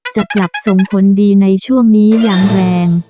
จะกลับส่งผลดีในช่วงนี้อย่างแรง